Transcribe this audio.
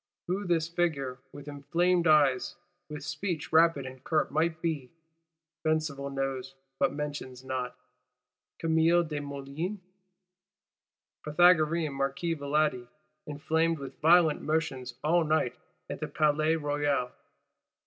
Who this figure, with inflamed eyes, with speech rapid and curt, might be? Besenval knows but mentions not. Camille Desmoulins? Pythagorean Marquis Valadi, inflamed with "violent motions all night at the Palais Royal?"